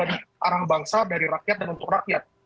dari arah bangsa dari rakyat dan untuk rakyat